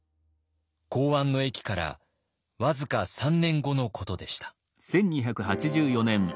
弘安の役から僅か３年後のことでした。